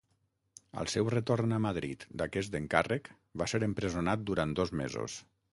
Al seu retorn a Madrid d'aquest encàrrec, va ser empresonat durant dos mesos.